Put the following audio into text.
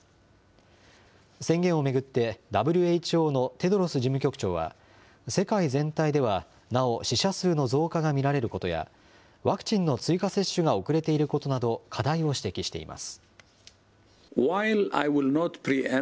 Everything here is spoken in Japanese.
宣言を巡って、ＷＨＯのテドロス事務局長は、世界全体ではなお死者数の増加が見られることや、ワクチンの追加接種が遅れていることなど、課題を指摘しています。